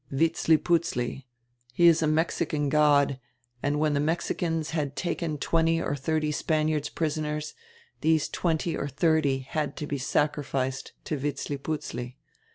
"Vitzliputzli. He is a Mexican god, and when the Mexi cans had taken twenty or thirty Spaniards prisoners, these twenty or thirty had to he sacrificed to Vitzliputzli.